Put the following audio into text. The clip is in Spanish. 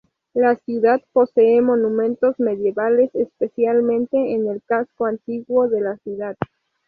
La ciudad posee monumentos medievales, especialmente en el casco antiguo de la ciudad.